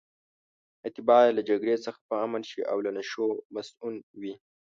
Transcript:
اتباع یې له جګړې څخه په امن شي او له نشو مصئون وي.